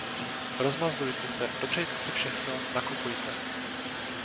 Rozmazlujte se; dopřejte si všechno; nakupujte.